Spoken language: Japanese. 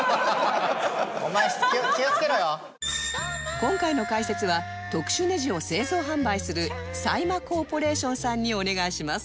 今回の解説は特殊ネジを製造販売するサイマコーポレーションさんにお願いします